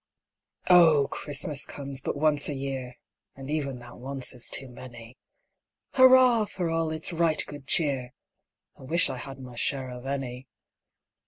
O, CHRISTMAS comes but once a year! (And even that is once too many;) Hurrah for all its right good cheer! (_I wish I had my share of any!